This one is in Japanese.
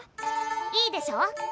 いいでしょ？